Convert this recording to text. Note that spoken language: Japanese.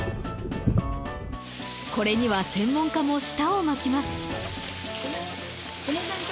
これには専門家も舌を巻きます。